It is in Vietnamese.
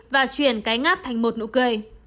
và chuyển cái ngáp thành một nụ cười